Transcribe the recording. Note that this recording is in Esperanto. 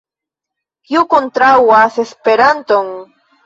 Kiu kontraŭas Esperanton?